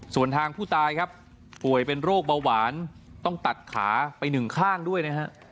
ส่วนทางผู้ตายครับป่วยเป็นโรคเบาหวานต้องตัดขาไปหนึ่งข้างด้วยนะฮะ